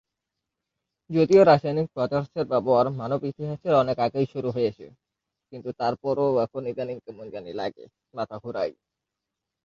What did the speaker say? যদিও রাসায়নিক পদার্থের ব্যবহার মানব ইতিহাসের অনেক আগে থেকেই শুরু হয়েছে।